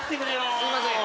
すいません。